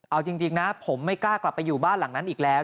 เอาจริงนะผมไม่กล้ากลับไปอยู่บ้านหลังนั้นอีกแล้ว